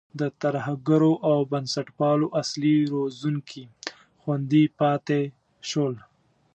د ترهګرو او بنسټپالو اصلي روزونکي خوندي پاتې شول.